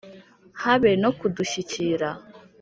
habe no kudushyikira.